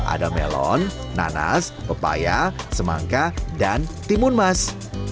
ada melon nanas pepaya semangka dan timun mas